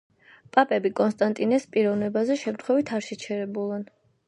პაპები კონსტანტინეს პიროვნებაზე შემთხვევით არ შეჩერებულან.